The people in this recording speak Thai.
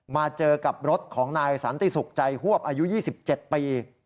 มาเจอกับรถของนายสันติสุขใจฮวบอายุ๒๗ปี